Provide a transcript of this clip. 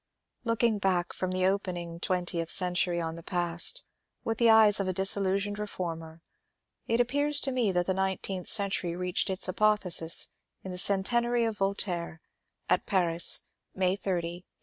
Looking back from the opening twentieth century on the past, with the eyes of a disillusioned reformer, it appears to me that the nineteenth century reached its apotheosis in the Centenary of Voltaire at Paris, May 30, 1878.